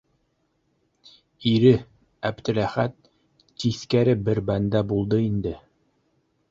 Ире, Әптеләхәт, тиҫкәре бер бәндә булды инде.